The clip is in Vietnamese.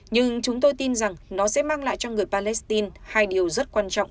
nhưng chúng tôi tin rằng nó sẽ mang lại cho người palestine hai điều rất quan trọng